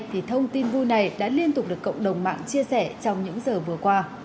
thì thông tin vui này đã liên tục được cộng đồng mạng chia sẻ trong những giờ vừa qua